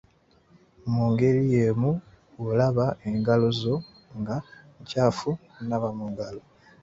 Mu ngeri y’emu bw’olaba engalo zo nga nkyafu, naaba mu ngalo.